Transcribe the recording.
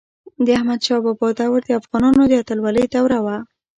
د احمد شاه بابا دور د افغانانو د اتلولی دوره وه.